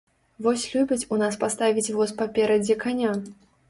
Вось любяць у нас паставіць воз паперадзе каня!